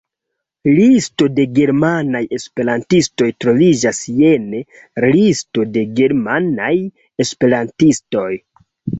Listo de germanaj esperantistoj troviĝas jene: Listo de germanaj esperantistoj.